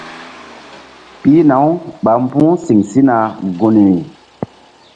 Pihna- uɓa mbu̧h siŋ sina gunri.